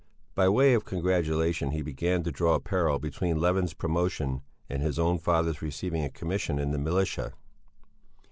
By way of congratulation he began to draw a parallel between Levin's promotion and his own father's receiving a commission in the militia.